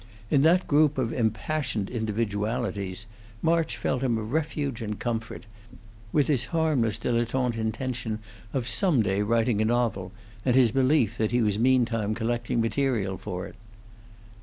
In that group of impassioned individualities, March felt him a refuge and comfort with his harmless dilettante intention of some day writing a novel, and his belief that he was meantime collecting material for it.